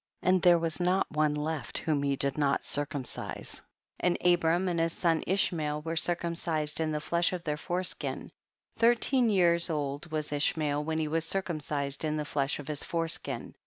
2. And there was not one left whom he did not circumcise, and Abraham and his son Ishmael were circumcised in the flesh of their fore skin ; thirteen years old was Ishmael when he was circumcised in the flesh of his foreskin.